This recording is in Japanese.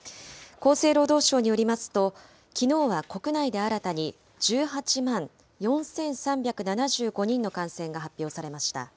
厚生労働省によりますと、きのうは国内で新たに１８万４３７５人の感染が発表されました。